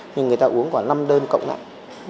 nhưng người ta uống khoảng năm đơn cộng nặng